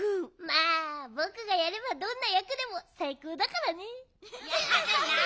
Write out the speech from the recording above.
まあぼくがやればどんなやくでもさいこうだからね。